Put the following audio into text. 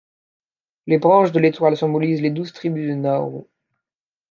Les branches de l'étoile symbolisent les douze tribus de Nauru.